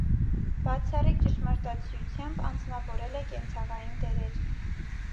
Բացառիկ ճշմարտացիությամբ անձնավորել է կենցաղային դերեր։